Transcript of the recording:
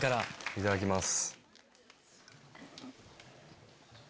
いただきます。